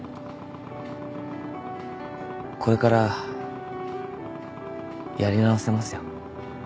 これからやり直せますよ。